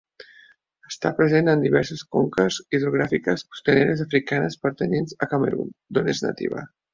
Està present en diverses conques hidrogràfiques costaneres africanes pertanyents a Camerun, d'on és nativa.